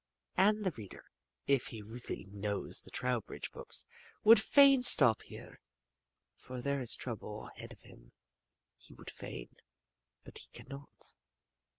And the reader if he really knows the Trowbridge books would fain stop here, for there is trouble ahead of him. He would fain but he can not.